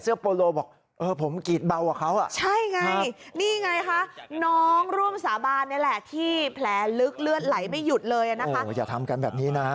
เอ็งลักค่าน้อยกว่าและเอ็งกรีดเบากว่า